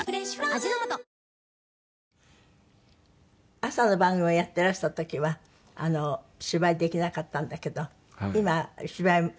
朝の番組をやってらした時は芝居できなかったんだけど今は芝居。